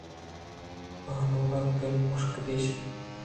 بانور ءَ کہ مُشک دِیست